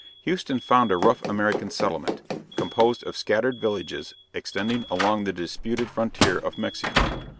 Houston found a rough American settlement, composed of scattered villages extending along the disputed frontier of Mexico.